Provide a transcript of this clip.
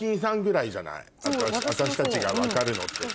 私たちが分かるのってさ。